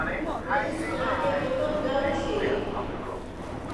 Další jsou uloženy v muzeích v Londýně a Káhiře.